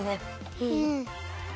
うん。